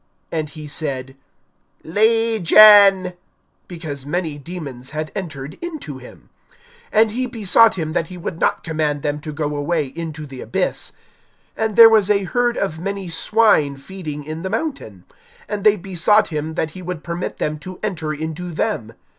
And he said, Legion; because many demons had entered into him. (31)And he besought him that he would not command them to go away into the abyss. (32)And there was a herd of many swine feeding in the mountain; and they besought him that he would permit them to enter into them.